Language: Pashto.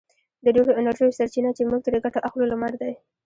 د ډېرو انرژیو سرچینه چې موږ ترې ګټه اخلو لمر دی.